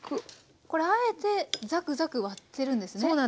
これあえてザクザク割ってるんですね？